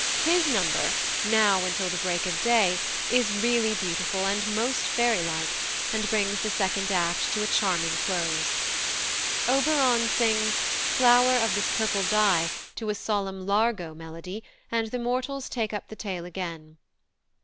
His number, "Now until the break of day," is really beautiful and most fairylike, and brings the second act to a charming close. Oberon sings "Flower of this purple dye" to a solemn largo melody, and the mortals take up the tale again.